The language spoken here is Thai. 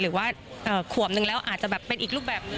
หรือว่าขวบนึงแล้วอาจจะแบบเป็นอีกรูปแบบ